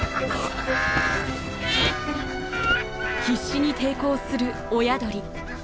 必死に抵抗する親鳥。